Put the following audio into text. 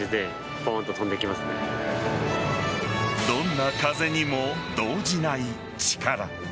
どんな風にも動じない力。